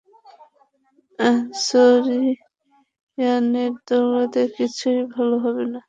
আর সোরিয়ানের দৌলতে, কিছুই ভালো হবে না।